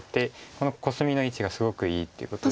このコスミの位置がすごくいいっていうことで。